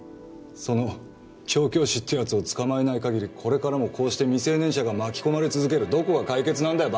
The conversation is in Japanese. その調教師ってやつを捕まえないかぎりこれからもこうして未成年者が巻き込まれ続けるどこが解決なんだよ